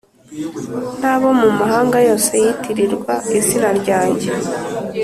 n’abo mu mahanga yose yitirirwa izina ryanjye